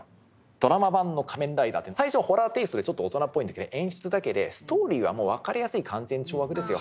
ドラマ版の「仮面ライダー」って最初ホラーテイストでちょっと大人っぽいんだけど演出だけでストーリーはもう分かりやすい勧善懲悪ですよ。